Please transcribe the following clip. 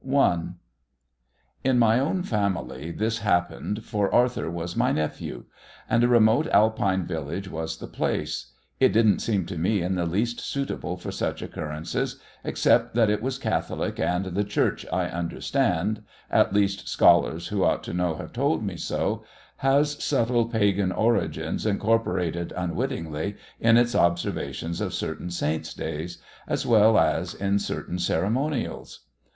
1 In my own family this happened, for Arthur was my nephew. And a remote Alpine valley was the place. It didn't seem to me in the least suitable for such occurrences, except that it was Catholic, and the "Church," I understand at least, scholars who ought to know have told me so has subtle Pagan origins incorporated unwittingly in its observations of certain Saints' Days, as well as in certain ceremonials.